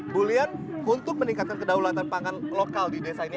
bu lian untuk meningkatkan kedaulatan pangan lokal di desa ini